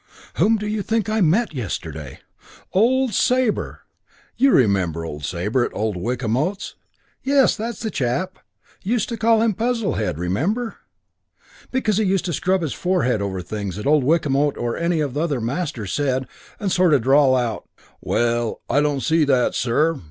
"Whom do you think I met yesterday? Old Sabre! You remember old Sabre at old Wickamote's?... Yes, that's the chap. Used to call him Puzzlehead, remember? Because he used to screw up his forehead over things old Wickamote or any of the other masters said and sort of drawl out, 'Well, I don't see that, sir.'...